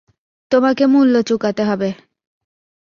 তোমাকে মূল্য চুকাতে হবে।